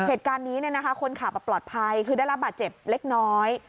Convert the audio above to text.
เหตุการณ์นี้คนขับปลอดภัยคือได้รับบาดเจ็บเล็กน้อย